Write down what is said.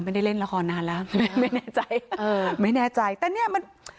ไม่ได้เล่นละครนานแล้วไม่แน่ใจไม่แน่ใจแต่เนี่ยมัน